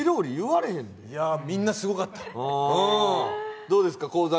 みんなすごかった。